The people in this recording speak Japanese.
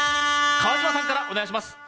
川島さんからお願いします。